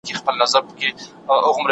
خلګ د طبیعي حقونو سره پیدا کیږي.